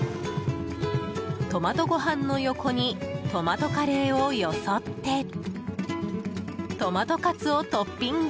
トマトご飯の横にトマトカレーをよそってトマトカツをトッピング。